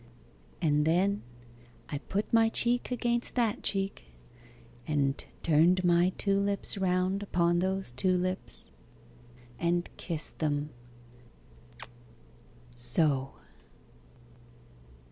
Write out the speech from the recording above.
'And then I put my cheek against that cheek, and turned my two lips round upon those two lips, and kissed them so.